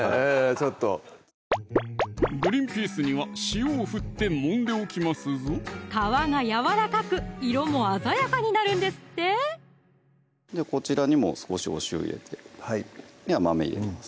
ちょっとグリンピースには塩を振ってもんでおきますぞ皮がやわらかく色も鮮やかになるんですってこちらにも少しお塩入れてはい豆入れます